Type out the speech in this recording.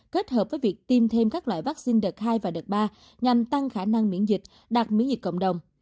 kết hợp với việc tiêm thêm các loại vaccine đợt hai và đợt ba nhằm tăng khả năng miễn dịch đạt miễn dịch cộng đồng